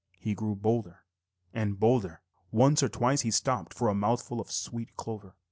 He grew bolder and bolder. Once or twice he stopped for a mouthful of sweet clover.